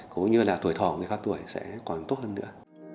cũng như là tuổi thọ người cao tuổi sẽ còn tốt hơn nữa